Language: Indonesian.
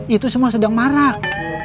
itu semua sedang marak